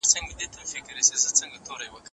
تا خپل پلار ته ټول رښتيا وويل.